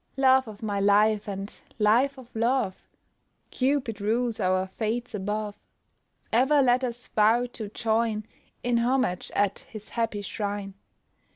"Love of my life, and life of love! Cupid rules our fates above, Ever let us vow to join In homage at his happy shrine."